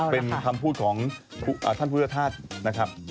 เป็นคำพูดของท่านพุทธธาตุนะครับ